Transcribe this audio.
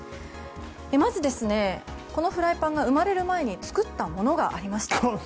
まず、このフライパンが生まれる前に作ったものがありました。